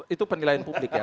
itu penilaian publik ya